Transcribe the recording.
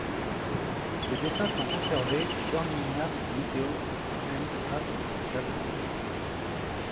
Ces dessins sont conservés au Birmingham Museum and Art Gallery.